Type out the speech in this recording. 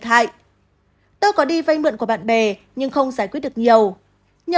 anh nhớ lại tôi có đi vay mượn của bạn bè nhưng không giải quyết được nhiều